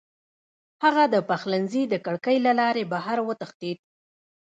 هغه د پخلنځي د کړکۍ له لارې بهر وتښتېد.